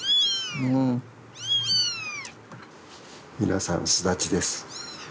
うん皆さん巣立ちです。